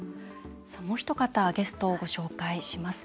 もうひと方ゲストをご紹介します。